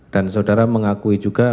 dan saudara mengakui juga